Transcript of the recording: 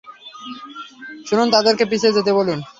শুনুন, তাদেরকে পিছিয়ে যেতে বলুন।